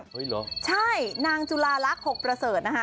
เหรอใช่นางจุลาลักษณ์หกประเสริฐนะคะ